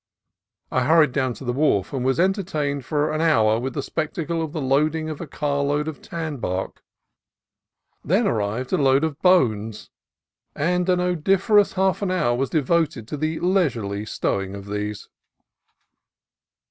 I hurried down to the wharf, and was entertained for an hour with the spectacle of the loading of a carload of tan bark. Then arrived a load of bones, and an odoriferous half hour was devoted to the leis urely stowing of these.